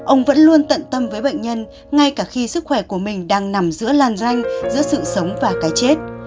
ông vẫn luôn tận tâm với bệnh nhân ngay cả khi sức khỏe của mình đang nằm giữa làn ranh giữa sự sống và cái chết